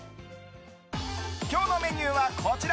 今日のメニューはこちら。